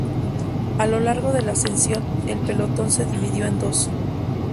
A lo largo de la ascensión, el pelotón se dividió en dos.